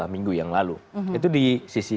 minggu yang lalu itu di sisi